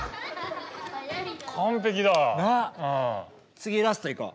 次ラストいこう。